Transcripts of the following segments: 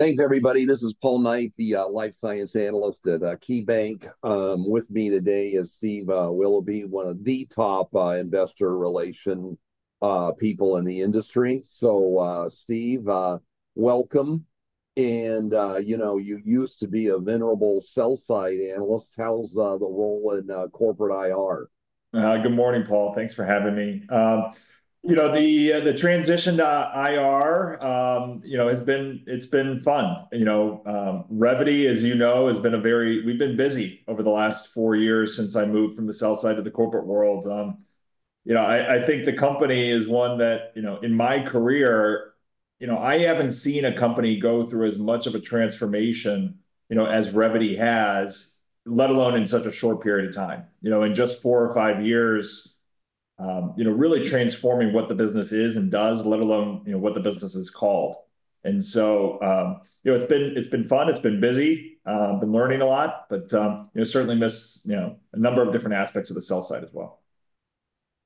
Thanks, everybody. This is Paul Knight, the life science analyst at KeyBanc. With me today is Steve Willoughby, one of the top investor relation people in the industry. Steve, welcome. You used to be a venerable sell-side analyst. How's the role in corporate IR? Good morning, Paul. Thanks for having me. You know, the transition to IR has been fun. Revvity, as you know, has been a very—we've been busy over the last four years since I moved from the sell-side to the corporate world. You know, I think the company is one that, you know, in my career, you know, I haven't seen a company go through as much of a transformation as Revvity has, let alone in such a short period of time. You know, in just four or five years, you know, really transforming what the business is and does, let alone, you know, what the business is called. You know, it's been fun. It's been busy. I've been learning a lot, but certainly missed a number of different aspects of the sell-side as well.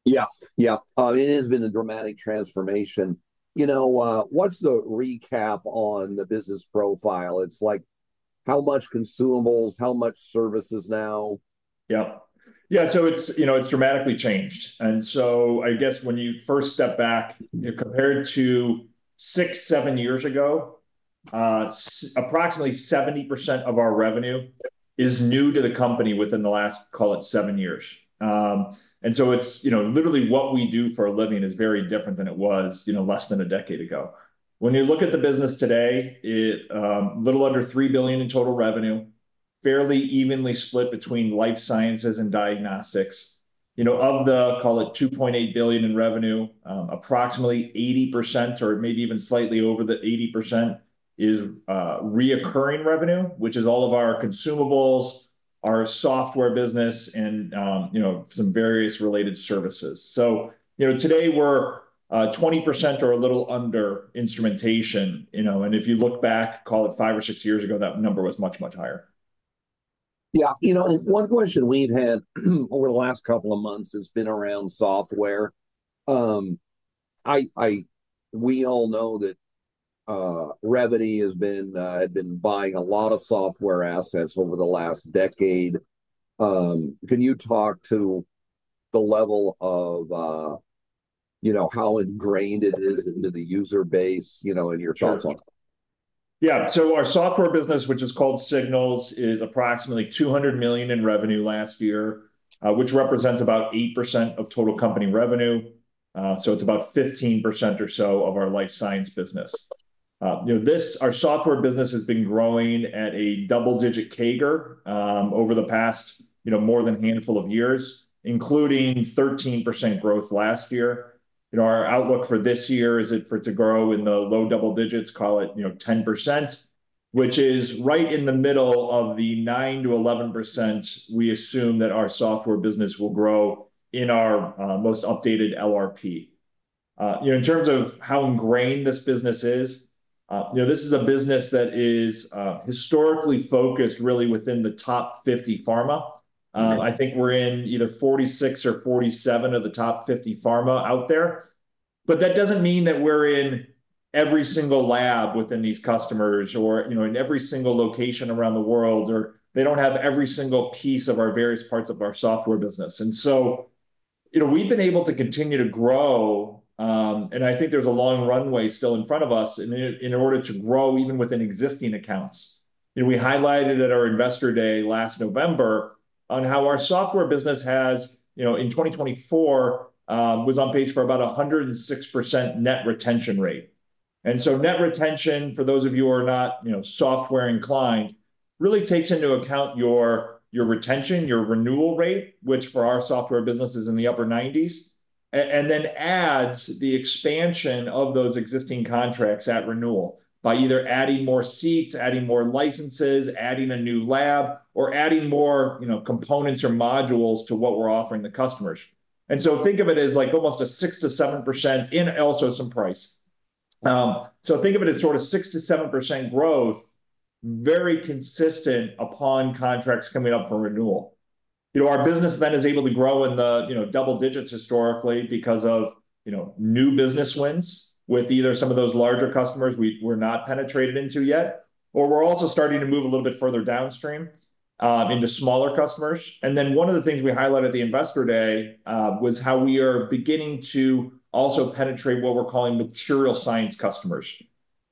Yeah, yeah. It has been a dramatic transformation. You know, what's the recap on the business profile? It's like, how much consumables, how much services now? Yep. Yeah. It has dramatically changed. I guess when you first step back, compared to six or seven years ago, approximately 70% of our revenue is new to the company within the last, call it, seven years. It is, you know, literally what we do for a living is very different than it was less than a decade ago. When you look at the business today, a little under $3 billion in total revenue, fairly evenly split between life sciences and diagnostics. Of the, call it, $2.8 billion in revenue, approximately 80%, or maybe even slightly over 80%, is recurring revenue, which is all of our consumables, our software business, and, you know, some various related services. Today we are 20% or a little under instrumentation. You know, and if you look back, call it five or six years ago, that number was much, much higher. Yeah. You know, one question we've had over the last couple of months has been around software. We all know that Revvity had been buying a lot of software assets over the last decade. Can you talk to the level of, you know, how ingrained it is into the user base, you know, and your thoughts on it? Yeah. Our software business, which is called Signals, is approximately $200 million in revenue last year, which represents about 8% of total company revenue. It is about 15% or so of our life science business. You know, our software business has been growing at a double-digit CAGR over the past, you know, more than a handful of years, including 13% growth last year. You know, our outlook for this year is for it to grow in the low double digits, call it, you know, 10%, which is right in the middle of the 9-11% we assume that our software business will grow in our most updated LRP. You know, in terms of how ingrained this business is, you know, this is a business that is historically focused really within the top 50 pharma. I think we're in either 46 or 47 of the top 50 pharma out there. That doesn't mean that we're in every single lab within these customers or, you know, in every single location around the world, or they don't have every single piece of our various parts of our software business. You know, we've been able to continue to grow. I think there's a long runway still in front of us in order to grow even within existing accounts. You know, we highlighted at our investor day last November on how our software business has, you know, in 2024, was on pace for about a 106% net retention rate. Net retention, for those of you who are not, you know, software inclined, really takes into account your retention, your renewal rate, which for our software business is in the upper 90s, and then adds the expansion of those existing contracts at renewal by either adding more seats, adding more licenses, adding a new lab, or adding more, you know, components or modules to what we are offering the customers. Think of it as like almost a 6-7% in also some price. Think of it as sort of 6-7% growth, very consistent upon contracts coming up for renewal. You know, our business then is able to grow in the, you know, double digits historically because of, you know, new business wins with either some of those larger customers we're not penetrated into yet, or we're also starting to move a little bit further downstream into smaller customers. One of the things we highlighted at the investor day was how we are beginning to also penetrate what we're calling material science customers.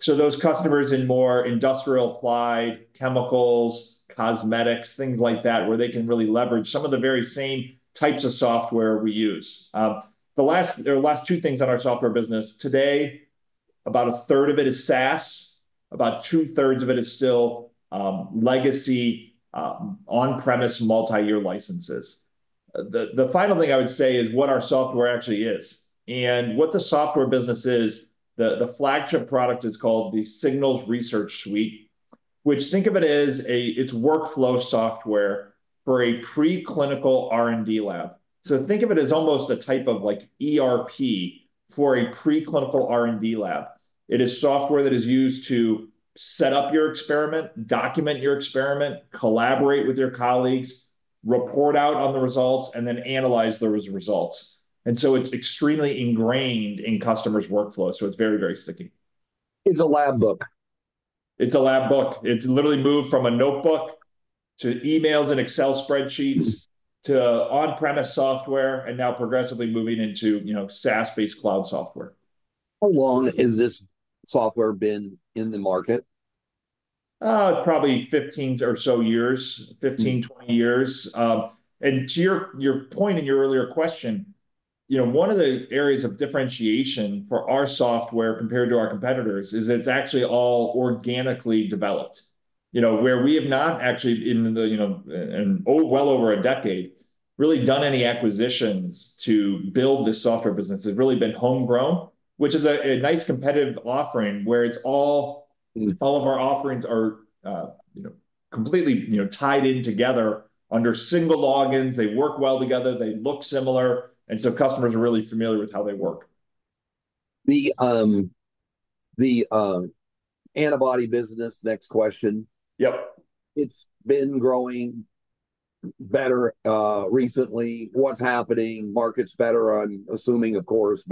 Those customers in more industrial applied chemicals, cosmetics, things like that, where they can really leverage some of the very same types of software we use. The last, there are last two things on our software business. Today, about a third of it is SaaS. About two-thirds of it is still legacy on-premise multi-year licenses. The final thing I would say is what our software actually is. What the software business is, the flagship product is called the Signals Research Suite, which think of it as a, it's workflow software for a preclinical R&D lab. Think of it as almost a type of like ERP for a preclinical R&D lab. It is software that is used to set up your experiment, document your experiment, collaborate with your colleagues, report out on the results, and then analyze those results. It is extremely ingrained in customers' workflow. It is very, very sticky. It's a lab book. It's a lab book. It's literally moved from a notebook to emails and Excel spreadsheets to on-premise software and now progressively moving into, you know, SaaS-based cloud software. How long has this software been in the market? Probably 15 or so years, 15, 20 years. To your point in your earlier question, you know, one of the areas of differentiation for our software compared to our competitors is it's actually all organically developed. You know, we have not actually in the, you know, well over a decade, really done any acquisitions to build this software business. It's really been homegrown, which is a nice competitive offering where it's all, all of our offerings are, you know, completely, you know, tied in together under single logins. They work well together. They look similar. Customers are really familiar with how they work. The antibody business, next question. Yep. It's been growing better recently. What's happening? Market's better, I'm assuming, of course.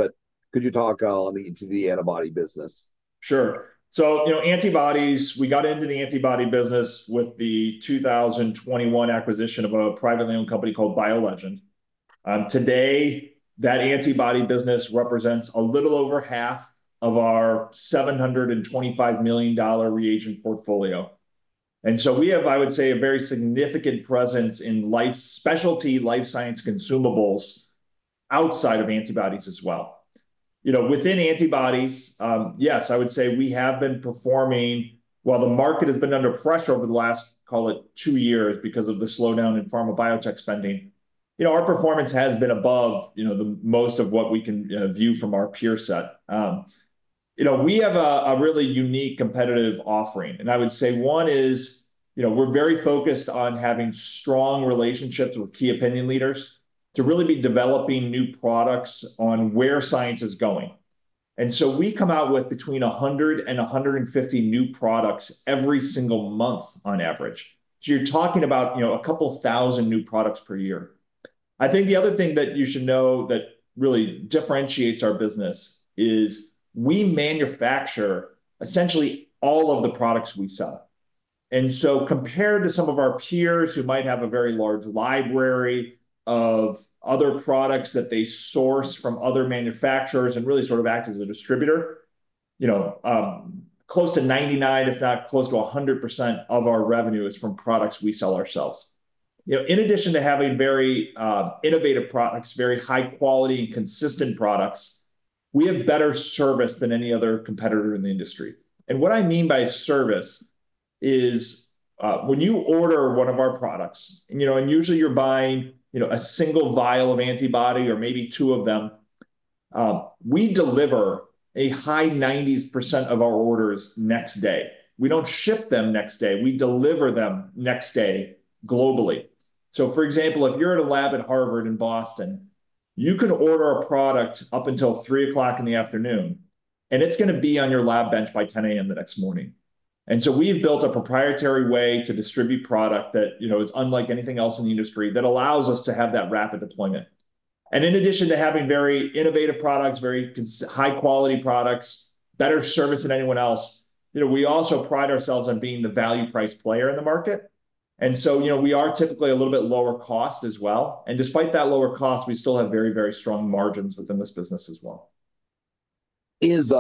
Could you talk to the antibody business? Sure. So, you know, antibodies, we got into the antibody business with the 2021 acquisition of a privately owned company called BioLegend. Today, that antibody business represents a little over half of our $725 million reagent portfolio. And so we have, I would say, a very significant presence in life specialty, life science consumables outside of antibodies as well. You know, within antibodies, yes, I would say we have been performing while the market has been under pressure over the last, call it, two years because of the slowdown in pharma biotech spending. You know, our performance has been above, you know, the most of what we can view from our peer set. You know, we have a really unique competitive offering. I would say one is, you know, we're very focused on having strong relationships with key opinion leaders to really be developing new products on where science is going. We come out with between 100 and 150 new products every single month on average. You're talking about, you know, a couple thousand new products per year. I think the other thing that you should know that really differentiates our business is we manufacture essentially all of the products we sell. Compared to some of our peers who might have a very large library of other products that they source from other manufacturers and really sort of act as a distributor, you know, close to 99%, if not close to 100% of our revenue is from products we sell ourselves. You know, in addition to having very innovative products, very high quality and consistent products, we have better service than any other competitor in the industry. And what I mean by service is when you order one of our products, you know, and usually you're buying, you know, a single vial of antibody or maybe two of them, we deliver a high 90% of our orders next day. We do not ship them next day. We deliver them next day globally. For example, if you're at a lab at Harvard in Boston, you can order a product up until three o'clock in the afternoon, and it is going to be on your lab bench by 10:00 A.M. the next morning. We have built a proprietary way to distribute product that, you know, is unlike anything else in the industry that allows us to have that rapid deployment. In addition to having very innovative products, very high quality products, better service than anyone else, you know, we also pride ourselves on being the value price player in the market. You know, we are typically a little bit lower cost as well. Despite that lower cost, we still have very, very strong margins within this business as well. Is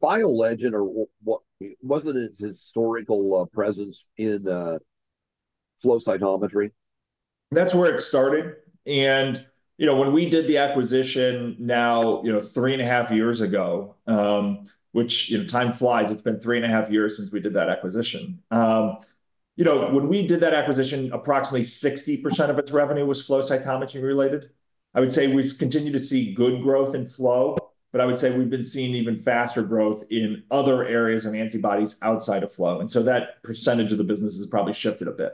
BioLegend or what was its historical presence in flow cytometry? That's where it started. You know, when we did the acquisition now, you know, three and a half years ago, which, you know, time flies, it's been three and a half years since we did that acquisition. You know, when we did that acquisition, approximately 60% of its revenue was flow cytometry related. I would say we've continued to see good growth in flow, but I would say we've been seeing even faster growth in other areas of antibodies outside of flow. That percentage of the business has probably shifted a bit.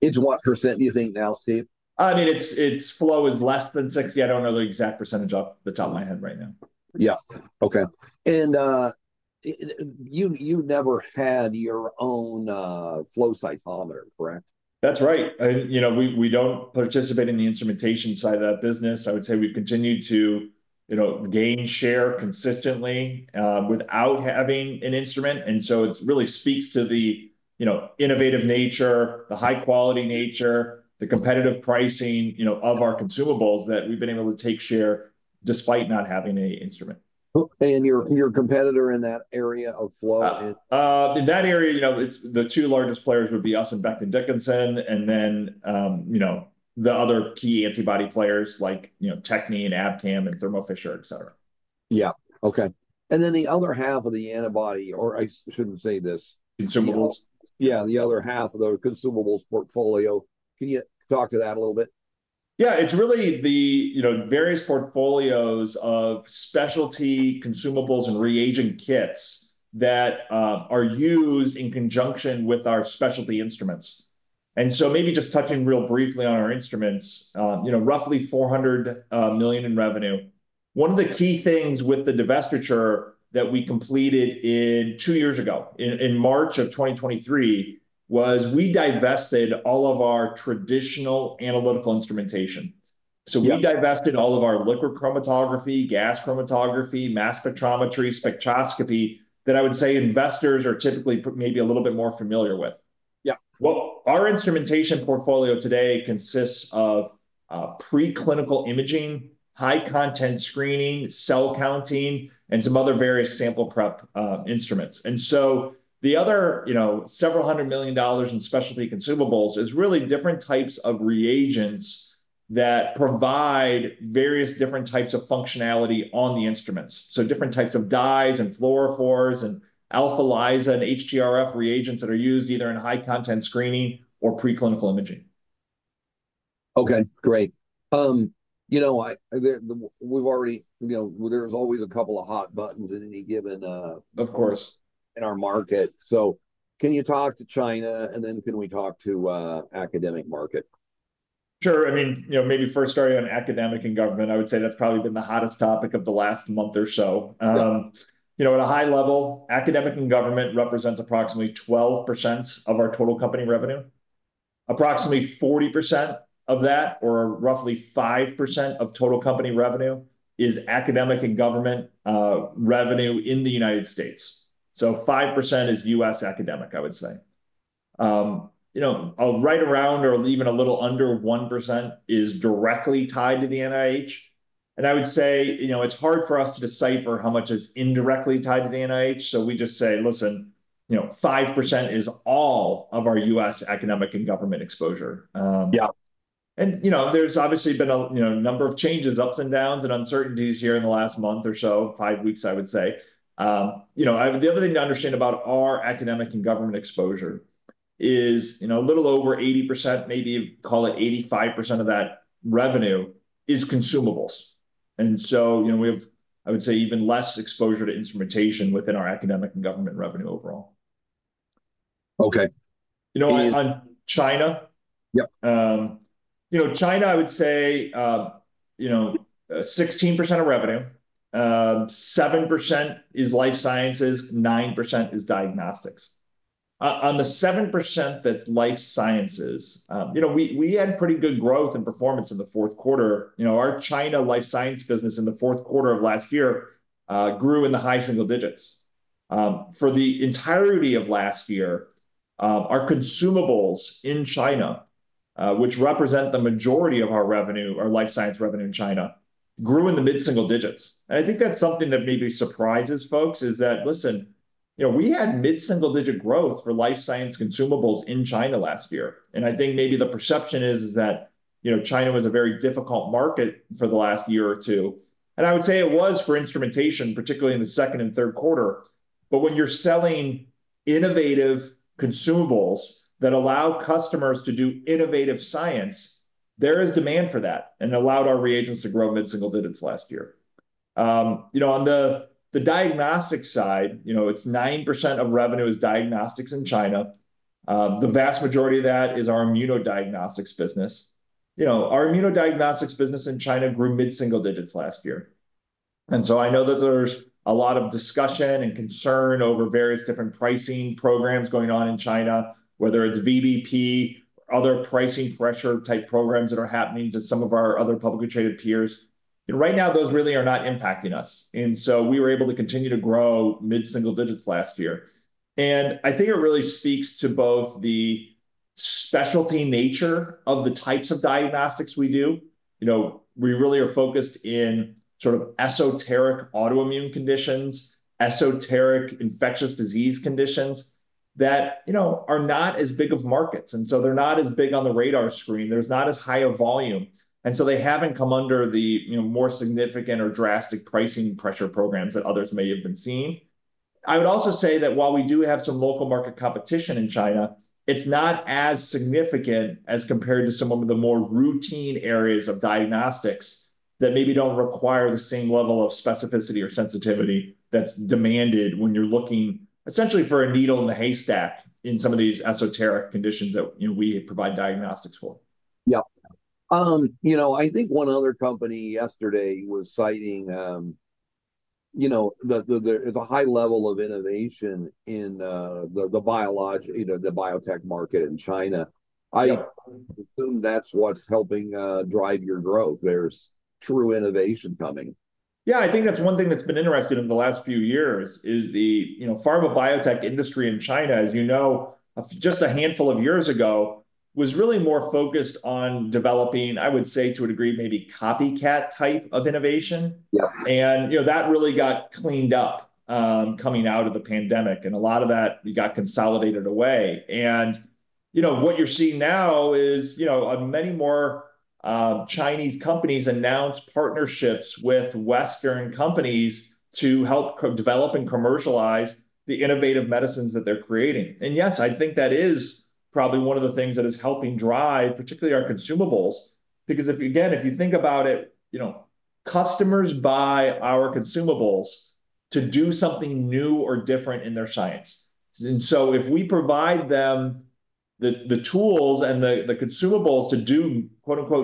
It's what % do you think now, Steve? I mean, its flow is less than 60. I don't know the exact percentage off the top of my head right now. Yeah. Okay. You never had your own flow cytometer, correct? That's right. You know, we don't participate in the instrumentation side of that business. I would say we've continued to, you know, gain share consistently without having an instrument. It really speaks to the, you know, innovative nature, the high quality nature, the competitive pricing, you know, of our consumables that we've been able to take share despite not having an instrument. Your competitor in that area of flow? In that area, you know, the two largest players would be us and Becton Dickinson, and then, you know, the other key antibody players like, you know, Bio-Techne and Abcam and Thermo Fisher, et cetera. Yeah. Okay. And then the other half of the antibody, or I shouldn't say this. Consumables. Yeah, the other half of the consumables portfolio. Can you talk to that a little bit? Yeah. It's really the, you know, various portfolios of specialty consumables and reagent kits that are used in conjunction with our specialty instruments. Maybe just touching real briefly on our instruments, you know, roughly $400 million in revenue. One of the key things with the divestiture that we completed two years ago in March of 2023 was we divested all of our traditional analytical instrumentation. We divested all of our liquid chromatography, gas chromatography, mass spectrometry, spectroscopy that I would say investors are typically maybe a little bit more familiar with. Yeah. Our instrumentation portfolio today consists of preclinical imaging, high content screening, cell counting, and some other various sample prep instruments. The other, you know, several hundred million dollars in specialty consumables is really different types of reagents that provide various different types of functionality on the instruments. Different types of dyes and fluorophores and AlphaLISA and HTRF reagents that are used either in high content screening or preclinical imaging. Okay. Great. You know, we've already, you know, there's always a couple of hot buttons in any given. Of course. In our market. Can you talk to China and then can we talk to academic market? Sure. I mean, you know, maybe first starting on academic and government, I would say that's probably been the hottest topic of the last month or so. You know, at a high level, academic and government represents approximately 12% of our total company revenue. Approximately 40% of that, or roughly 5% of total company revenue, is academic and government revenue in the U.S. So 5% is U.S. academic, I would say. You know, right around or even a little under 1% is directly tied to the NIH. And I would say, you know, it's hard for us to decipher how much is indirectly tied to the NIH. So we just say, listen, you know, 5% is all of our U.S. academic and government exposure. Yeah. You know, there's obviously been a, you know, number of changes, ups and downs and uncertainties here in the last month or so, five weeks, I would say. You know, the other thing to understand about our academic and government exposure is, you know, a little over 80%, maybe call it 85% of that revenue is consumables. You know, we have, I would say, even less exposure to instrumentation within our academic and government revenue overall. Okay. You know, on China. Yep. You know, China, I would say, you know, 16% of revenue, 7% is life sciences, 9% is diagnostics. On the 7% that's life sciences, you know, we had pretty good growth and performance in the fourth quarter. You know, our China life science business in the fourth quarter of last year grew in the high single digits. For the entirety of last year, our consumables in China, which represent the majority of our revenue, our life science revenue in China, grew in the mid-single digits. I think that's something that maybe surprises folks is that, listen, you know, we had mid-single digit growth for life science consumables in China last year. I think maybe the perception is that, you know, China was a very difficult market for the last year or two. I would say it was for instrumentation, particularly in the second and third quarter. When you're selling innovative consumables that allow customers to do innovative science, there is demand for that and allowed our reagents to grow mid-single digits last year. You know, on the diagnostic side, you know, it's 9% of revenue is diagnostics in China. The vast majority of that is our immunodiagnostics business. You know, our immunodiagnostics business in China grew mid-single digits last year. I know that there's a lot of discussion and concern over various different pricing programs going on in China, whether it's VBP or other pricing pressure type programs that are happening to some of our other publicly traded peers. You know, right now those really are not impacting us. We were able to continue to grow mid-single digits last year. I think it really speaks to both the specialty nature of the types of diagnostics we do. You know, we really are focused in sort of esoteric autoimmune conditions, esoteric infectious disease conditions that, you know, are not as big of markets. You know, they're not as big on the radar screen. There's not as high a volume. They haven't come under the, you know, more significant or drastic pricing pressure programs that others may have been seen. I would also say that while we do have some local market competition in China, it's not as significant as compared to some of the more routine areas of diagnostics that maybe don't require the same level of specificity or sensitivity that's demanded when you're looking essentially for a needle in the haystack in some of these esoteric conditions that, you know, we provide diagnostics for. Yeah. You know, I think one other company yesterday was citing, you know, the high level of innovation in the biologic, you know, the biotech market in China. I assume that's what's helping drive your growth. There's true innovation coming. Yeah. I think that's one thing that's been interesting in the last few years is the, you know, pharma biotech industry in China, as you know, just a handful of years ago was really more focused on developing, I would say to a degree, maybe copycat type of innovation. Yeah. You know, that really got cleaned up coming out of the pandemic. A lot of that got consolidated away. You know, what you're seeing now is, you know, many more Chinese companies announce partnerships with Western companies to help develop and commercialize the innovative medicines that they're creating. Yes, I think that is probably one of the things that is helping drive particularly our consumables because if, again, if you think about it, you know, customers buy our consumables to do something new or different in their science. If we provide them the tools and the consumables to do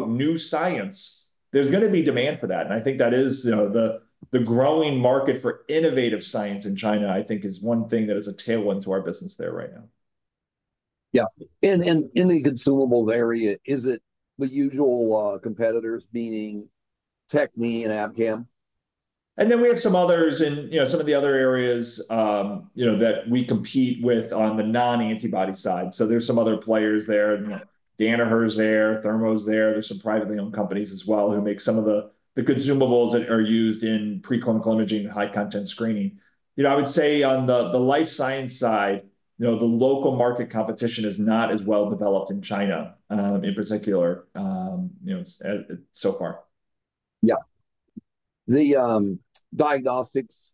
"new science," there's going to be demand for that. I think that is, you know, the growing market for innovative science in China, I think is one thing that is a tailwind to our business there right now. Yeah. In the consumables area, is it the usual competitors being Bio-Techne and Abcam? We have some others in, you know, some of the other areas, you know, that we compete with on the non-antibody side. So there's some other players there. Danaher is there, Thermo is there. There are some privately owned companies as well who make some of the consumables that are used in preclinical imaging and high content screening. You know, I would say on the life science side, you know, the local market competition is not as well developed in China in particular, you know, so far. Yeah. The diagnostics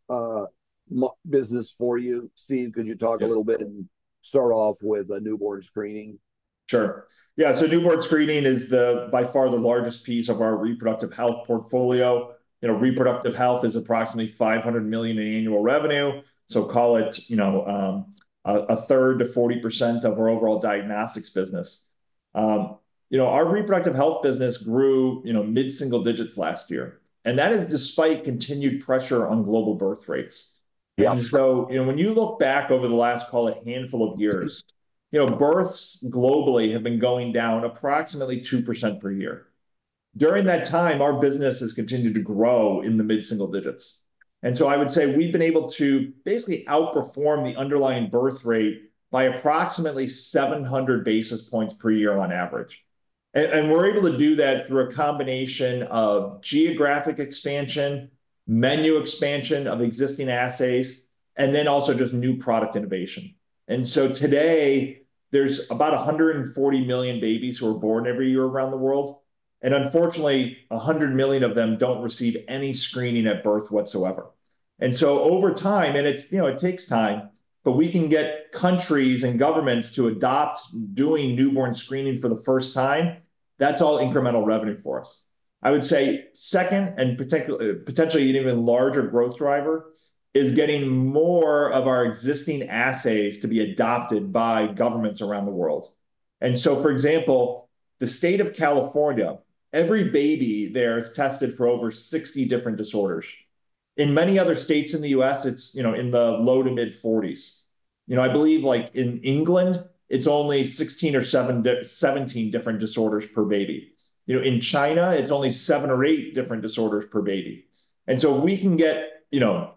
business for you, Steve, could you talk a little bit and start off with a newborn screening? Sure. Yeah. You know, newborn screening is by far the largest piece of our reproductive health portfolio. You know, reproductive health is approximately $500 million in annual revenue. So call it, you know, a third to 40% of our overall diagnostics business. You know, our reproductive health business grew, you know, mid-single digits last year. And that is despite continued pressure on global birth rates. Yeah. You know, when you look back over the last, call it, handful of years, you know, births globally have been going down approximately 2% per year. During that time, our business has continued to grow in the mid-single digits. I would say we've been able to basically outperform the underlying birth rate by approximately 700 basis points per year on average. We're able to do that through a combination of geographic expansion, menu expansion of existing assays, and then also just new product innovation. Today, there's about 140 million babies who are born every year around the world. Unfortunately, 100 million of them don't receive any screening at birth whatsoever. Over time, and it's, you know, it takes time, but we can get countries and governments to adopt doing newborn screening for the first time, that's all incremental revenue for us. I would say second, and potentially an even larger growth driver is getting more of our existing assays to be adopted by governments around the world. For example, the state of California, every baby there is tested for over 60 different disorders. In many other states in the U.S., it's, you know, in the low to mid-40s. You know, I believe like in England, it's only 16 or 17 different disorders per baby. You know, in China, it's only seven or eight different disorders per baby. If we can get, you know,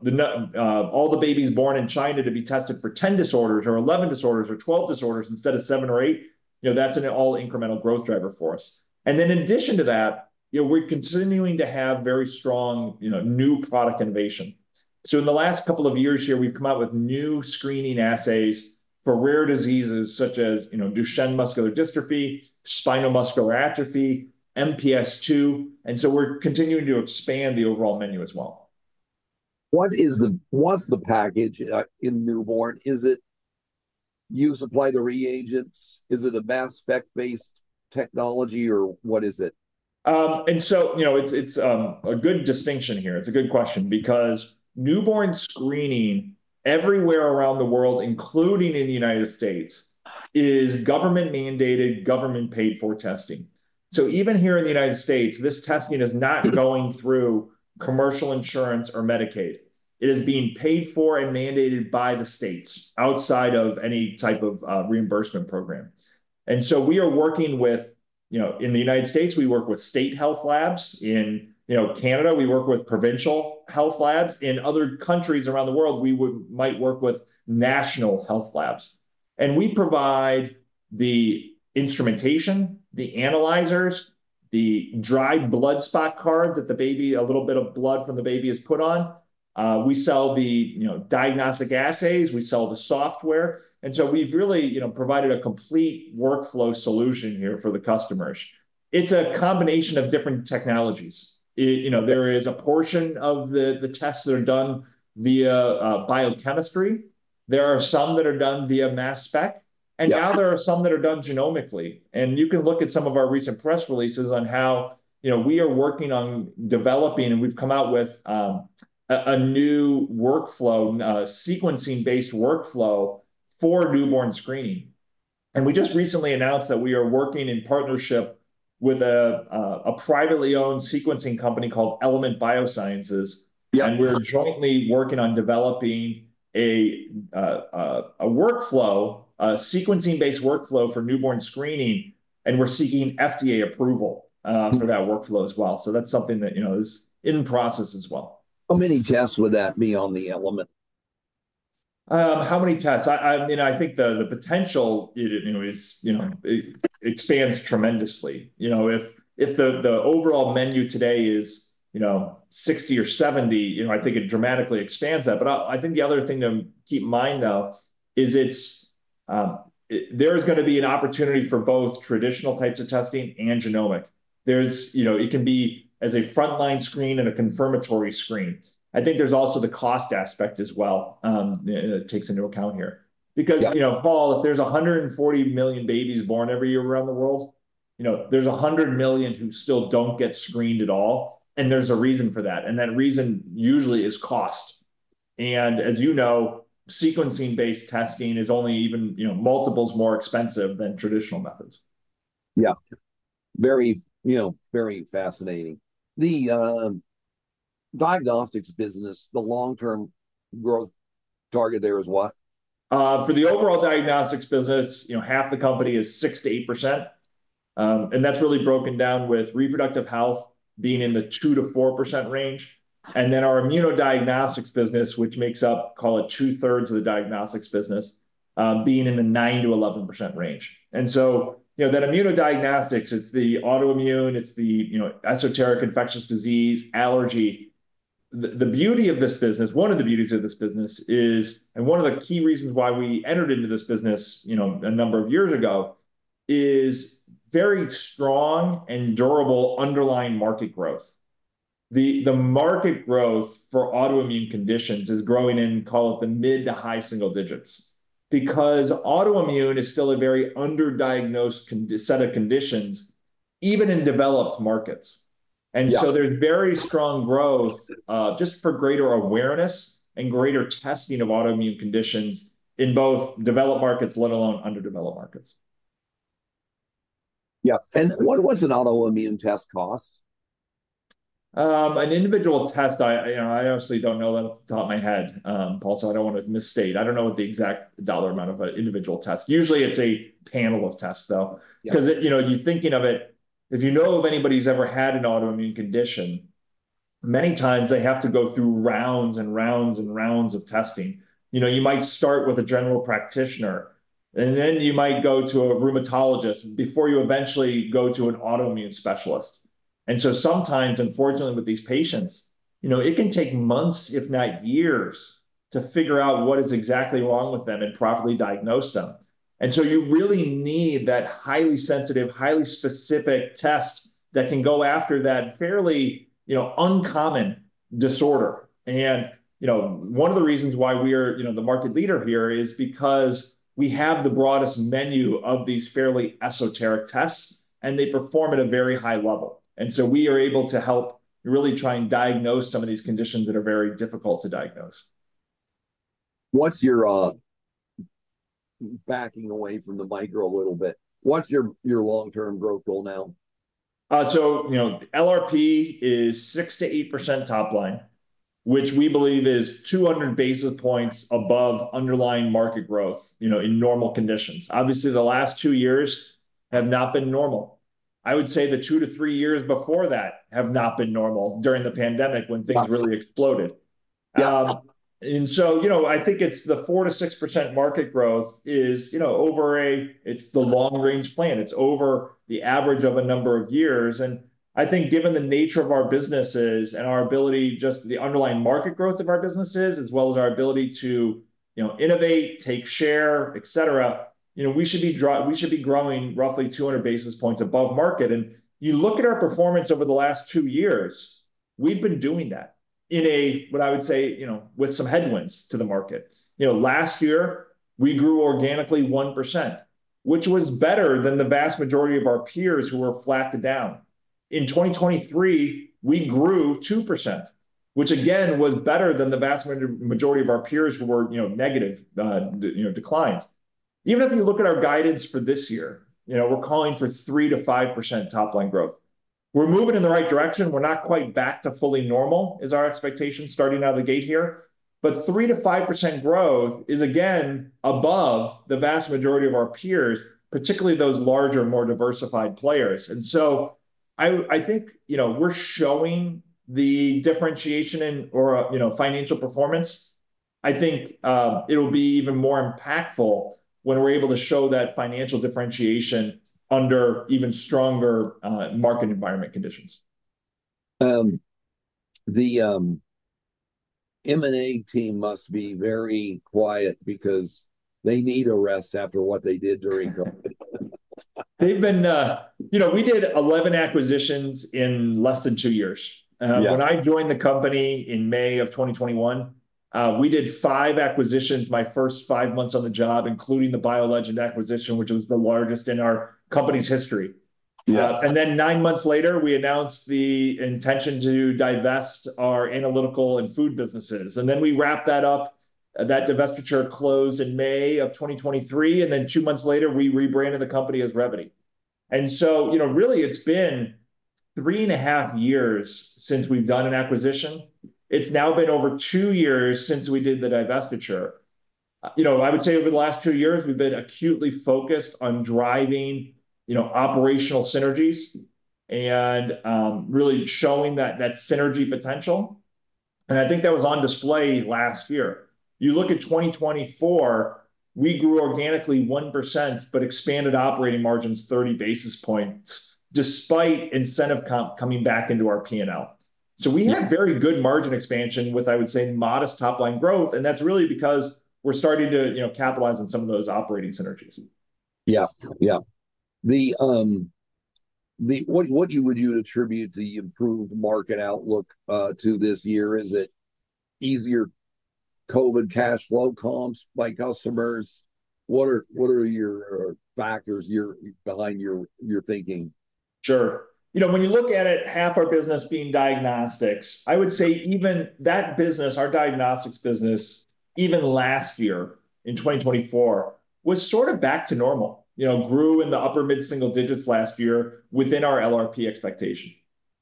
all the babies born in China to be tested for 10 disorders or 11 disorders or 12 disorders instead of seven or eight, you know, that's an all-incremental growth driver for us. In addition to that, you know, we're continuing to have very strong, you know, new product innovation. In the last couple of years here, we've come out with new screening assays for rare diseases such as, you know, Duchenne muscular dystrophy, spinal muscular atrophy, MPS-II. We're continuing to expand the overall menu as well. What is the, what's the package in newborn? Is it you supply the reagents? Is it a mass spec-based technology or what is it? You know, it's a good distinction here. It's a good question because newborn screening everywhere around the world, including in the U.S., is government-mandated, government-paid for testing. Even here in the U.S., this testing is not going through commercial insurance or Medicaid. It is being paid for and mandated by the states outside of any type of reimbursement program. We are working with, you know, in the U.S., we work with state health labs. In, you know, Canada, we work with provincial health labs. In other countries around the world, we might work with national health labs. We provide the instrumentation, the analyzers, the dry blood spot card that the baby, a little bit of blood from the baby is put on. We sell the, you know, diagnostic assays. We sell the software. We have really, you know, provided a complete workflow solution here for the customers. It's a combination of different technologies. You know, there is a portion of the tests that are done via biochemistry. There are some that are done via mass spec. And now there are some that are done genomically. You can look at some of our recent press releases on how, you know, we are working on developing and we have come out with a new workflow, sequencing-based workflow for newborn screening. We just recently announced that we are working in partnership with a privately owned sequencing company called Element Biosciences. Yeah. We're jointly working on developing a workflow, a sequencing-based workflow for newborn screening. We're seeking FDA approval for that workflow as well. That's something that, you know, is in process as well. How many tests would that be on the Element? How many tests? I mean, I think the potential, you know, is, you know, expands tremendously. You know, if the overall menu today is, you know, 60 or 70, you know, I think it dramatically expands that. I think the other thing to keep in mind though is there is going to be an opportunity for both traditional types of testing and genomic. There is, you know, it can be as a frontline screen and a confirmatory screen. I think there is also the cost aspect as well that takes into account here. Because, you know, Paul, if there are 140 million babies born every year around the world, you know, there are 100 million who still do not get screened at all. There is a reason for that. That reason usually is cost. As you know, sequencing-based testing is only even, you know, multiples more expensive than traditional methods. Yeah. Very, you know, very fascinating. The diagnostics business, the long-term growth target there is what? For the overall diagnostics business, you know, half the company is 6%-8%. That is really broken down with reproductive health being in the 2%-4% range. Then our immunodiagnostics business, which makes up, call it two-thirds of the diagnostics business, being in the 9-11% range. You know, that immunodiagnostics, it is the autoimmune, it is the, you know, esoteric infectious disease, allergy. The beauty of this business, one of the beauties of this business is, and one of the key reasons why we entered into this business, you know, a number of years ago is very strong and durable underlying market growth. The market growth for autoimmune conditions is growing in, call it the mid to high single digits because autoimmune is still a very underdiagnosed set of conditions even in developed markets. There is very strong growth just for greater awareness and greater testing of autoimmune conditions in both developed markets, let alone underdeveloped markets. Yeah. What does an autoimmune test cost? An individual test, I honestly don't know that off the top of my head, Paul, so I don't want to misstate. I don't know what the exact dollar amount of an individual test. Usually it's a panel of tests though. Because, you know, you're thinking of it, if you know of anybody who's ever had an autoimmune condition, many times they have to go through rounds and rounds and rounds of testing. You know, you might start with a general practitioner and then you might go to a rheumatologist before you eventually go to an autoimmune specialist. Sometimes, unfortunately with these patients, you know, it can take months, if not years, to figure out what is exactly wrong with them and properly diagnose them. You really need that highly sensitive, highly specific test that can go after that fairly, you know, uncommon disorder. You know, one of the reasons why we are, you know, the market leader here is because we have the broadest menu of these fairly esoteric tests and they perform at a very high level. We are able to help really try and diagnose some of these conditions that are very difficult to diagnose. What's your, backing away from the micro a little bit, what's your long-term growth goal now? You know, LRP is 6%-8% top line, which we believe is 200 basis points above underlying market growth, you know, in normal conditions. Obviously, the last two years have not been normal. I would say the two to three years before that have not been normal during the pandemic when things really exploded. You know, I think the 4%-6% market growth is, you know, over a, it's the long-range plan. It's over the average of a number of years. I think given the nature of our businesses and our ability, just the underlying market growth of our businesses, as well as our ability to, you know, innovate, take share, et cetera, you know, we should be growing roughly 200 basis points above market. You look at our performance over the last two years, we've been doing that in a, what I would say, you know, with some headwinds to the market. You know, last year we grew organically 1%, which was better than the vast majority of our peers who were flat and down. In 2023, we grew 2%, which again was better than the vast majority of our peers who were, you know, negative, you know, declines. Even if you look at our guidance for this year, you know, we're calling for 3%-5% top line growth. We're moving in the right direction. We're not quite back to fully normal is our expectation starting out of the gate here. But 3%-5% growth is again above the vast majority of our peers, particularly those larger, more diversified players. I think, you know, we're showing the differentiation in, or, you know, financial performance. I think it'll be even more impactful when we're able to show that financial differentiation under even stronger market environment conditions. The M&A team must be very quiet because they need a rest after what they did during COVID. They've been, you know, we did 11 acquisitions in less than two years. When I joined the company in May of 2021, we did five acquisitions, my first five months on the job, including the BioLegend acquisition, which was the largest in our company's history. Nine months later, we announced the intention to divest our analytical and food businesses. We wrapped that up, that divestiture closed in May of 2023. Two months later, we rebranded the company as Revvity. You know, really it's been three and a half years since we've done an acquisition. It's now been over two years since we did the divestiture. You know, I would say over the last two years, we've been acutely focused on driving, you know, operational synergies and really showing that synergy potential. I think that was on display last year. You look at 2024, we grew organically 1%, but expanded operating margins 30 basis points despite incentive comp coming back into our P&L. We had very good margin expansion with, I would say, modest top line growth. That is really because we are starting to, you know, capitalize on some of those operating synergies. Yeah. Yeah. What would you attribute the improved market outlook to this year? Is it easier COVID cash flow comps by customers? What are your factors behind your thinking? Sure. You know, when you look at it, half our business being diagnostics, I would say even that business, our diagnostics business, even last year in 2024 was sort of back to normal. You know, grew in the upper mid-single digits last year within our LRP expectations.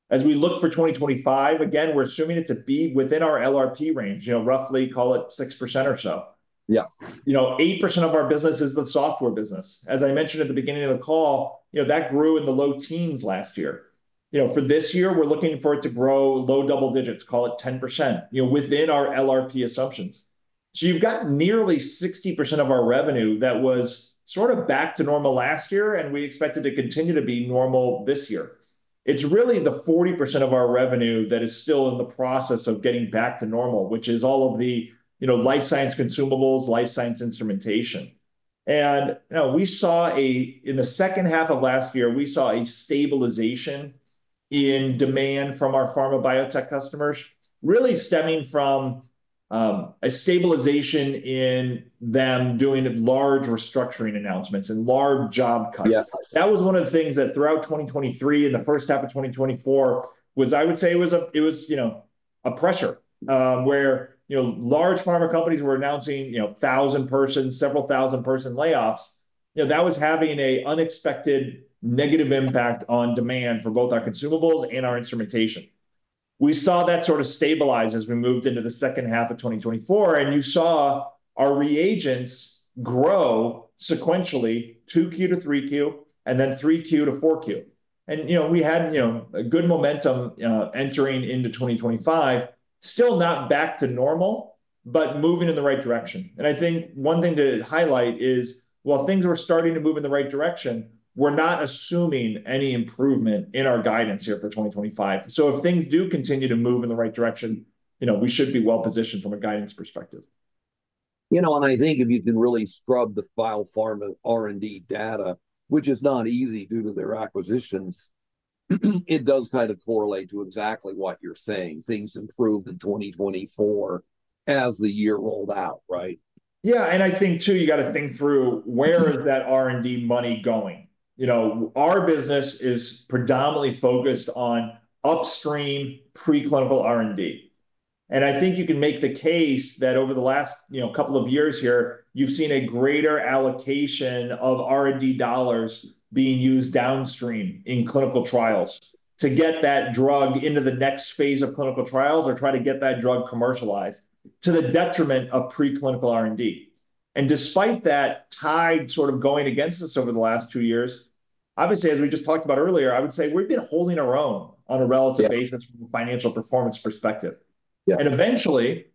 As we look for 2025, again, we're assuming it to be within our LRP range, you know, roughly call it 6% or so. Yeah. You know, 8% of our business is the software business. As I mentioned at the beginning of the call, you know, that grew in the low teens last year. You know, for this year, we're looking for it to grow low double digits, call it 10%, you know, within our LRP assumptions. So you've got nearly 60% of our revenue that was sort of back to normal last year and we expected to continue to be normal this year. It's really the 40% of our revenue that is still in the process of getting back to normal, which is all of the, you know, life science consumables, life science instrumentation. And you know, we saw a, in the second half of last year, we saw a stabilization in demand from our pharma biotech customers, really stemming from a stabilization in them doing large restructuring announcements and large job cuts. That was one of the things that throughout 2023 and the first half of 2024 was, I would say it was a, it was, you know, a pressure where, you know, large pharma companies were announcing, you know, thousand person, several thousand person layoffs. You know, that was having an unexpected negative impact on demand for both our consumables and our instrumentation. We saw that sort of stabilize as we moved into the second half of 2024. You saw our reagents grow sequentially 2Q-3Q and then 3Q-4Q. You know, we had, you know, good momentum entering into 2025, still not back to normal, but moving in the right direction. I think one thing to highlight is while things were starting to move in the right direction, we're not assuming any improvement in our guidance here for 2025. If things do continue to move in the right direction, you know, we should be well positioned from a guidance perspective. You know, and I think if you can really scrub the biopharma R&D data, which is not easy due to their acquisitions, it does kind of correlate to exactly what you're saying. Things improved in 2024 as the year rolled out, right? Yeah. I think too, you got to think through where is that R&D money going? You know, our business is predominantly focused on upstream preclinical R&D. I think you can make the case that over the last, you know, couple of years here, you've seen a greater allocation of R&D dollars being used downstream in clinical trials to get that drug into the next phase of clinical trials or try to get that drug commercialized to the detriment of preclinical R&D. Despite that tide sort of going against us over the last two years, obviously, as we just talked about earlier, I would say we've been holding our own on a relative basis from a financial performance perspective. Eventually,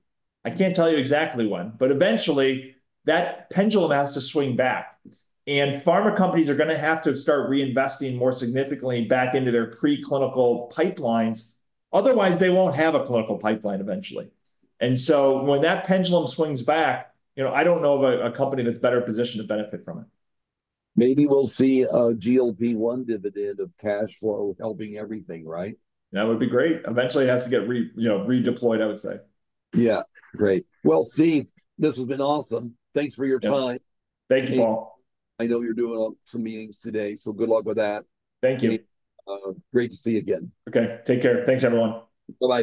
I can't tell you exactly when, but eventually that pendulum has to swing back. Pharma companies are going to have to start reinvesting more significantly back into their preclinical pipelines. Otherwise, they won't have a clinical pipeline eventually. When that pendulum swings back, you know, I don't know of a company that's better positioned to benefit from it. Maybe we'll see a GLP-1 dividend of cash flow helping everything, right? That would be great. Eventually it has to get, you know, redeployed, I would say. Yeah. Great. Steve, this has been awesome. Thanks for your time. Thank you, Paul. I know you're doing some meetings today, so good luck with that. Thank you. Great to see you again. Okay. Take care. Thanks, everyone. Good luck.